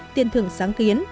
tiền thưởng sáng kiến